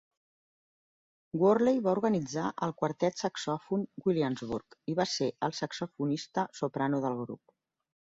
Worley va organitzar el Quartet Saxòfon Williamsburg i va ser el saxofonista soprano del grup.